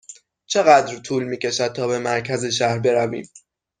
چقدر طول می کشد تا به مرکز شهر برویم؟